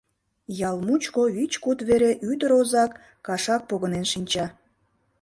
Ял мучко вич-куд вере ӱдыр-озак кашак погынен шинча.